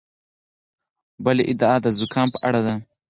بله ادعا د زکام په اړه ده.